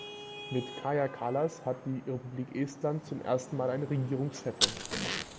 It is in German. Mit Kaja Kallas hat die Republik Estland zum ersten Mal eine Regierungschefin.